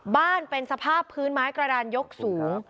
สภาพเป็นสภาพพื้นไม้กระดานยกสูง